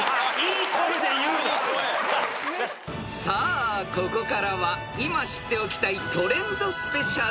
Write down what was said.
［さあここからは今知っておきたいトレンドスペシャル］